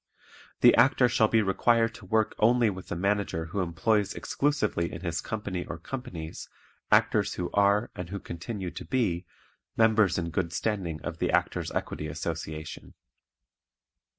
The Actor shall be required to work only with a Manager who employs exclusively in his company or companies actors who are, and who continue to be, members in good standing of the Actors' Equity Association.